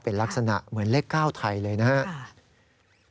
เป็นลักษณะเหมือนเลข๙ไทยเลยนะครับ